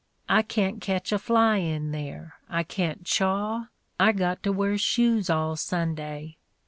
I can 't ketch a fly in there, I can't chaw, I got to wear shoes aU Sunday.